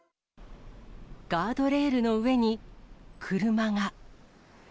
ガードレールの上に車が。